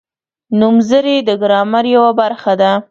نومځري د ګرامر یوه برخه ده.